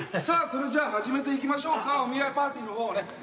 さあそれじゃあ始めていきましょうかお見合いパーティーの方をね。